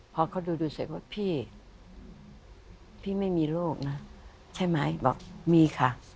พอเขาดูดูเสร็จว่าพี่พี่ไม่มีลูกนะใช่ไหมบอกมีค่ะ